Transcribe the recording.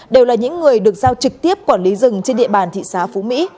đều là những người được giao trực tiếp quản lý rừng trên địa bàn thị xã phú mỹ